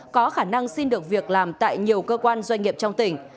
có khả năng xin được việc làm tại nhiều cơ quan doanh nghiệp trong tỉnh